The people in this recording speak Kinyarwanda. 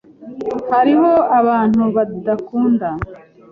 Hariho abantu badakunda .